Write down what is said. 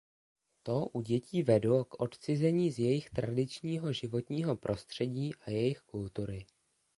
To u dětí vedlo k odcizení z jejich tradičního životního prostředí a jejich kultury.